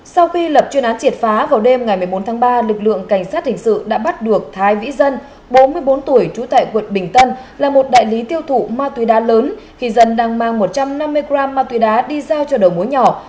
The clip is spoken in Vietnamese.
sau khi lập chuyên án triệt phá vào đêm ngày một mươi bốn tháng ba lực lượng cảnh sát hình sự đã bắt được thái vĩ dân bốn mươi bốn tuổi trú tại quận bình tân là một đại lý tiêu thụ ma túy đá lớn khi dân đang mang một trăm năm mươi g ma túy đá đi giao cho đầu mối nhỏ